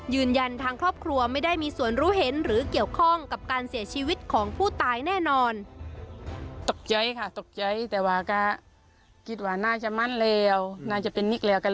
ยืนยันทางครอบครัวไม่ได้มีส่วนรู้เห็นหรือเกี่ยวข้องกับการเสียชีวิตของผู้ตายแน่นอน